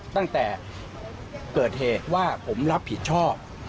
ตั้งแต่เกิดเหตุว่าผมรับผิดชอบ